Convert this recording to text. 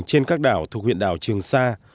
trên các đảo thuộc huyện đảo trường sa